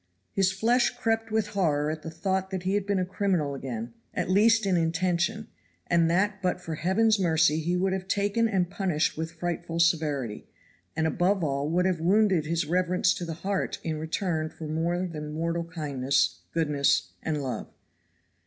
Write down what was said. His flesh crept with horror at the thought that he had been a criminal again, at least in intention, and that but for Heaven's mercy he would have been taken and punished with frightful severity, and above all would have wounded his reverence to the heart in return for more than mortal kindness, goodness and love.